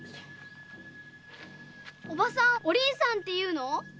おばさんお凛さんっていうの？